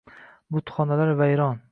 Butxonalar vayron